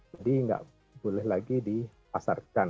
jadi nggak boleh lagi dipasarkan